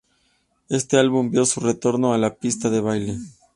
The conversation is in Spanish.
Este álbum vio su retorno a la pistas de baile.